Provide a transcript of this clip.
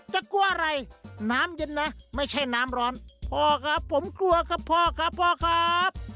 กลัวอะไรน้ำเย็นนะไม่ใช่น้ำร้อนพ่อครับผมกลัวครับพ่อครับพ่อครับ